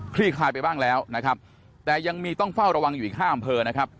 ลี่คลายไปบ้างแล้วนะครับแต่ยังมีต้องเฝ้าระวังอยู่อีกห้าอำเภอนะครับ